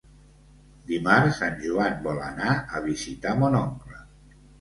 Dimarts en Joan vol anar a visitar mon oncle.